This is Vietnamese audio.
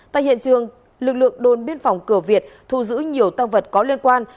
tại hiện trường lực lượng đồn biên phòng cửa việt thu giữ nhiều tăng vật có liên quan